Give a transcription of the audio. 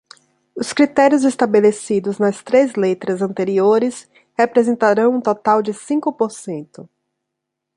Os critérios estabelecidos nas três letras anteriores representarão um total de cinco por cento.